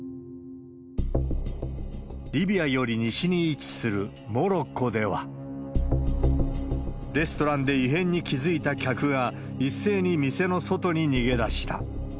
リビアより西に位置するモロッコでは、レストランで異変に気付いた客が、一斉に店の外に逃げだした。